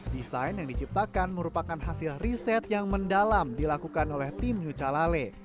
desain yang diciptakan merupakan hasil riset yang mendalam dilakukan oleh tim nucalale